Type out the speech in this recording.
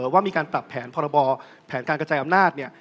ว่ามีการปรับแผนพรบแผนการกระจายอำนาจเนี่ย